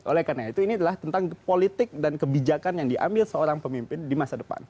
oleh karena itu ini adalah tentang politik dan kebijakan yang diambil seorang pemimpin di masa depan